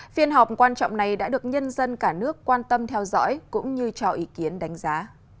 phiên họp quan trọng này đã được nhân dân cả nước quan tâm theo dõi cũng như cho ý kiến đánh giá